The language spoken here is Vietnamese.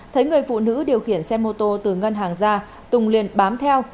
thấy người phụ nữ điều khiển xe mô tô từ ngân hàng ra tùng liền bám theo